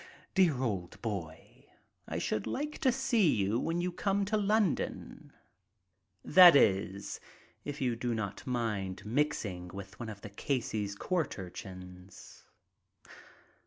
Dear old boy, I should like to see you when you come to London — that is, if you do not mind mixing with one of the Casey's court urchins."